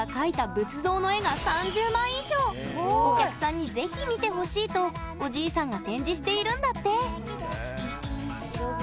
お客さんに、ぜひ見てほしいとおじいさんが展示しているんだって！